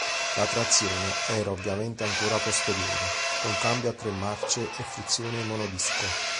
La trazione era ovviamente ancora posteriore, con cambio a tre marce e frizione monodisco.